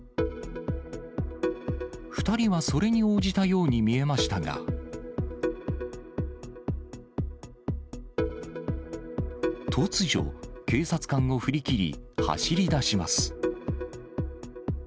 ２人はそれに応じたように見えましたが、突如、警察官を振り切り、走りだします。